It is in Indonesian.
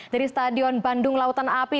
di stadion gelora bandung lautan api